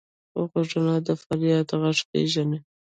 غوږونه د فریاد غږ پېژني